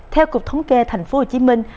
theo cục thống kê tp hcm